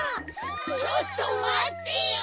ちょっとまってよ！